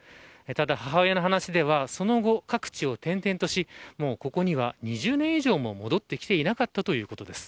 ただ、母親の話ではその後、各地を転々としもうここには２０年以上も戻ってきていなかったということです。